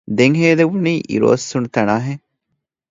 ދެން ހޭލެވުނީ އިރުއޮއްސުނުތަނާ ހެން